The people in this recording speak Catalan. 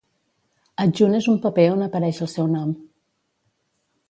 Adjunt és un paper on apareix el seu nom.